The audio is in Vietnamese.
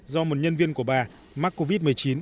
do một nhân viên của bà mắc covid một mươi chín